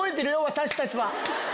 私たちは。